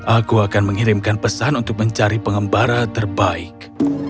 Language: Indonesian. aku akan mengirimkan pesan untuk mencari pengembara terbaik